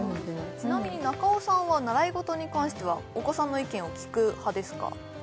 ちなみに中尾さんは習い事に関してはお子さんの意見を聞く派ですか？